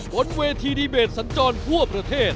บนเวทีดีเบตสัญจรทั่วประเทศ